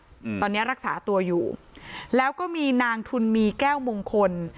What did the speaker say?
อืมตอนเนี้ยรักษาตัวอยู่แล้วก็มีนางทุนมีแก้วมงคล